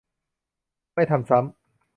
ไม่ทำซ้ำ